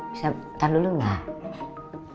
bisa bentar dulu gak